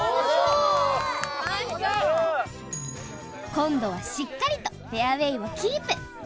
今度はしっかりとフェアウェイをキープ。